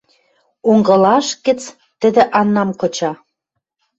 Онгылаш гӹц тӹдӹ Аннам кыча